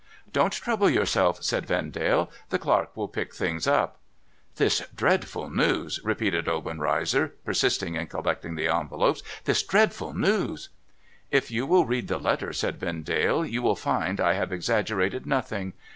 ' Don't trouble yourself,' said Vendale. ' The clerk will pick the things up.' ' This dreadful news !' repeated Obenreizer, persisting in collect ing the envelopes. ' This dreadful news !'* If you will read the letter,' said Vendale, ' you will find I have exaggerated nothing.